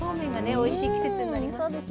おいしい季節になります。